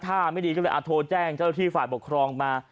ถ้าไม่ดีก็เลยโทรแจ้งเจ้าที่ฝ่ายปกครองมา